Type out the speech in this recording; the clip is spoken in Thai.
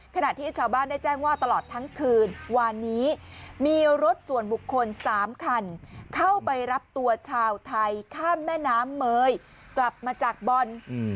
ขณะที่ชาวบ้านได้แจ้งว่าตลอดทั้งคืนวานนี้มีรถส่วนบุคคล๓คันเข้าไปรับตัวชาวไทยข้ามแม่น้ำเมยกลับมาจากบอล